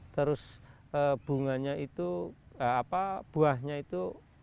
terus bunganya itu buahnya itu